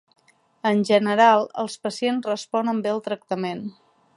En general, els pacients responen bé al tractament.